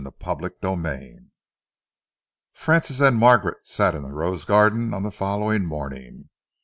CHAPTER XXXVI Francis and Margaret sat in the rose garden on the following morning.